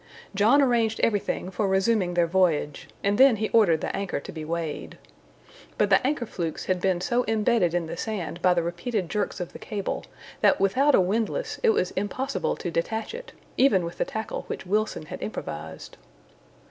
John arranged everything for resuming their voyage, and then he ordered the anchor to be weighed. But the anchor flukes had been so imbedded in the sand by the repeated jerks of the cable, that without a windlass it was impossible to detach it, even with the tackle which Wilson had improvised.